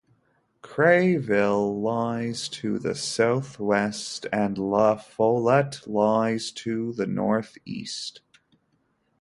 Caryville lies to the southwest, and LaFollette lies to the northeast.